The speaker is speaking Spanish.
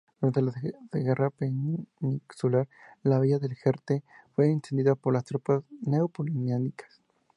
Durante la Guerra Peninsular, la villa de Jerte fue incendiada por las tropas napoleónicas.